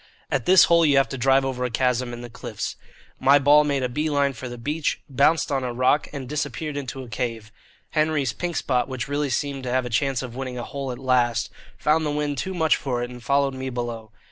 At this hole you have to drive over a chasm in the cliffs. My ball made a bee line for the beach, bounced on a rock, and disappeared into a cave. Henry's "Pink Spot," which really seemed to have a chance of winning a hole at last, found the wind too much for it and followed me below.